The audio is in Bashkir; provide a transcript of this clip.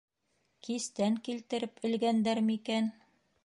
Кистән килтереп элгәндәр микән...